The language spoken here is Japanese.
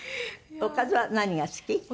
おかずは何が好き？